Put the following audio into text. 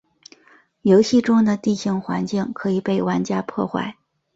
游戏中的地形环境可以被玩家破坏。